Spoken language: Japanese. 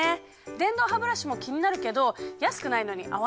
電動ハブラシも気になるけど安くないのに合わなかったら嫌だし！